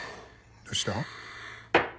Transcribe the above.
どうした？